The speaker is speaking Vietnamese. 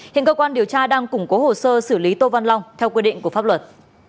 hiện cơ quan điều tra đang củng cố hồ sơ xử lý tô văn long theo quy định của pháp luật